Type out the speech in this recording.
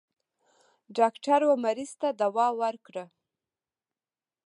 ډاکټر و مريض ته دوا ورکړه.